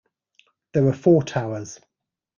There are four towers.